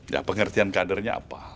ya pengertian kadernya apa